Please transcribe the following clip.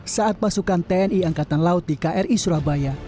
saat pasukan tni angkatan laut di kri surabaya